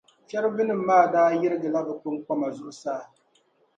Chɛrubinim’ maa daa yirigila bɛ kpiŋkpama zuɣusaa.